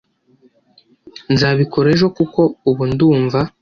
nzabikora ejo kuko ubu ndumva